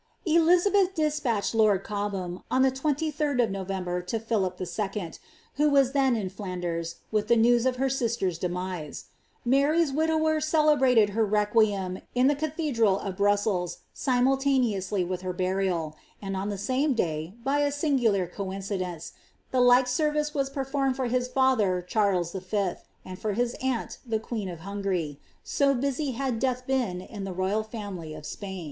Elizabeth despatched lord Cobham, on the Sdd of Novemher, to Fhilf n., who was then in Flanders, with the news of her aistef's denna Mary's widower cdebmted her requiem in the cathodml of Bmssd% eimnltaneonslv with her burial;' and on the eame day, by a aingnhr coincidence, the like service was performed for his &ther, Chaiies 7^ and for his aunt, the queen of Hungary ; so bosy had death been in thi royal fiunily of Spain.'